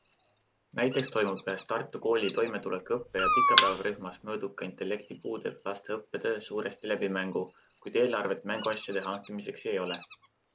Näiteks toimub ühes Tartu kooli toimetuleku õppe- ja pikapäevarühmas mõõduka intellekti puudega laste õppetöö suuresti läbi mängu, kuid eelarvet mänguasjade hankimiseks ei ole.